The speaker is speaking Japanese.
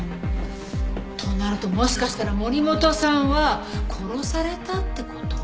となるともしかしたら森本さんは殺されたって事？